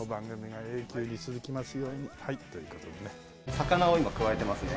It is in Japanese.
魚を今くわえてますね。